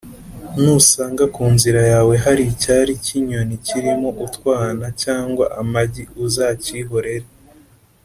nusanga ku nzira yawe hari icyari cy’inyoni kirimo utwana cyangwa amagi uzakihorere